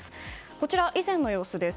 こちら以前の様子です。